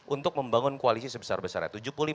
untuk membangun koalisi sebesar besarnya